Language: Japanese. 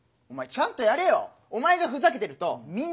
ちゃんとやれよ！